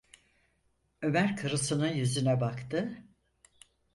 Ömer karısının yüzüne baktı: